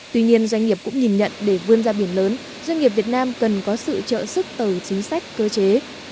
tuy nhiên doanh nghiệp cũng nhìn nhận để vươn ra biển lớn doanh nghiệp việt nam cần có sự trợ sức từ chính sách cơ chế